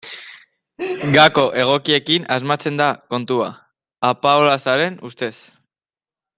Gako egokiekin asmatzea da kontua, Apaolazaren ustez.